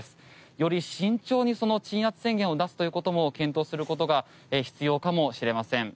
より慎重にその鎮圧宣言を出すという事も検討する事が必要かもしれません。